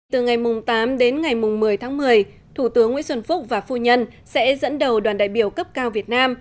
từ ngày tám đến ngày một mươi tháng một mươi thủ tướng nguyễn xuân phúc và phu nhân sẽ dẫn đầu đoàn đại biểu cấp cao việt nam